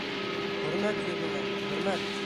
Хөрмәт йөҙөнән, хөрмәт!